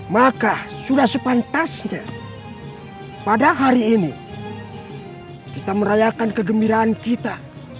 maka sudah sepantasnya pada hari ini kita merayakan kegembiraan kita